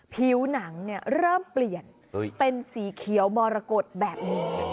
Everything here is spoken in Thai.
ผิวหนังเริ่มเปลี่ยนเป็นสีเขียวมรกฏแบบนี้